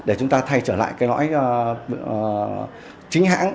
để chúng ta thay trở lại cái lõi chính hãng